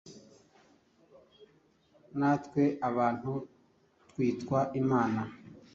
natwe abantu twitwa imana.